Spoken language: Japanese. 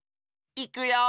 いくよ！